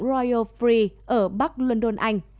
royal free ở bắc london anh